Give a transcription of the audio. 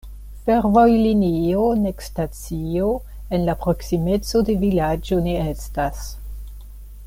Fervojlinio nek stacio en la proksimeco de vilaĝo ne estas.